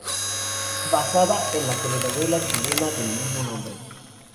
Basada en la telenovela chilena del mismo nombre.